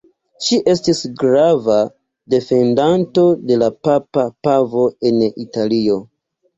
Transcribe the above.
Ŝi estis grava defendanto de la papa povo en Italio.